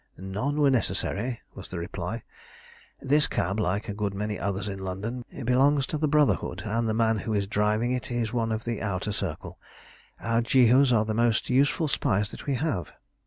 "None were necessary," was the reply. "This cab, like a good many others in London, belongs to the Brotherhood, and the man who is driving is one of the Outer Circle. Our Jehus are the most useful spies that we have.